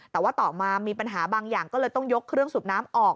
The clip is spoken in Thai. แต่ว่าต่อมามีปัญหาบางอย่างก็เลยต้องยกเครื่องสูบน้ำออก